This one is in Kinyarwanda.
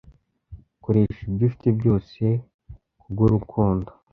koresha ibyo ufite byose kubwurukundo,